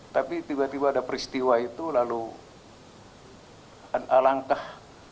tapi tiba tiba ada peristiwa itu lalu alangkah